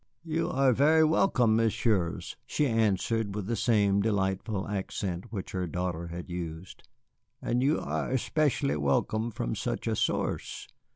"You are very welcome, Messieurs," she answered, with the same delightful accent which her daughter had used, "and you are especially welcome from such a source.